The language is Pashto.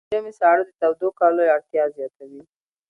د ژمي ساړه د تودو کالیو اړتیا زیاتوي.